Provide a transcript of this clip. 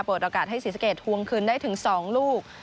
เปิดอากาศให้ศรีสะเกดทวงคืนได้ถึงสองลูก